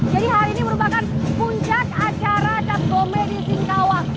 jadi hari ini merupakan puncak acara cap gomeh di singkawang